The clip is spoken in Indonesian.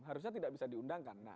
harusnya tidak bisa diundangkan